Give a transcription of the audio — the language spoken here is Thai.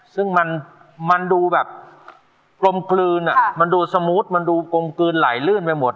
ซึ่งมันดูแบบกลมกลืนมันดูสมูทมันดูกลมกลืนไหลลื่นไปหมด